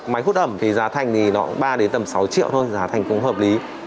máy hút ẩm thì giá thành ba sáu triệu thôi giá thành cũng hợp lý